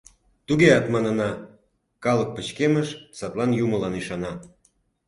Тугеат манына: калык пычкемыш, садлан юмылан ӱшана.